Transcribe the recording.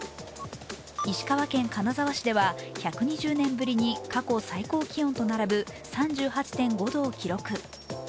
石川県金沢市では１２０年ぶりに過去最高気温と並ぶ３８．５度を記録。